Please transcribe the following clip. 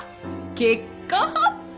結果発表！